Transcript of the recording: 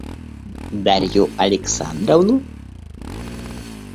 Дарью Александровну?